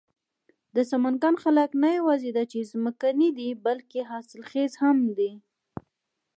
د سمنگان خلک نه یواځې دا چې ځمکني دي، بلکې حاصل خيز هم دي.